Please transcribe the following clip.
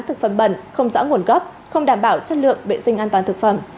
thực phẩm bẩn không rõ nguồn gốc không đảm bảo chất lượng vệ sinh an toàn thực phẩm